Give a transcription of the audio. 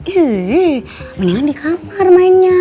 iyyy mendingan di kamar mainnya